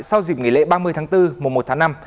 sau dịp nghỉ lễ ba mươi tháng bốn mùa một tháng năm